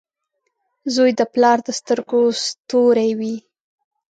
• زوی د پلار د سترګو ستوری وي.